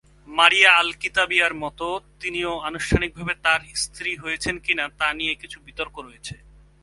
মারিয়া আল-কিবতিয়া'র মতো তিনিও আনুষ্ঠানিকভাবে তার স্ত্রী হয়েছেন কিনা তা নিয়ে কিছু বিতর্ক রয়েছে।